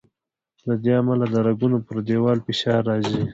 له دې امله د رګونو پر دیوال فشار راځي.